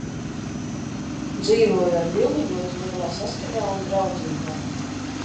Dzīvoju ar Vili ļoti lielā saskaņā un draudzībā.